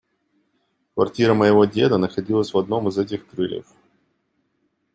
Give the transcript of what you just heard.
Квартира моего деда находилась в одном из этих крыльев.